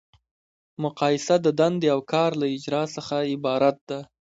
مقایسه د دندې او کار له اجرا څخه عبارت ده.